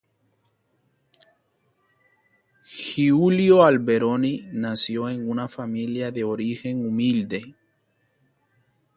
Giulio Alberoni nació en una familia de origen humilde.